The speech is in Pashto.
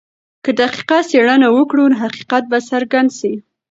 که دقیقه څېړنه وکړو نو حقیقت به څرګند سي.